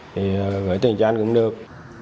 thì gửi tiền cho anh cũng được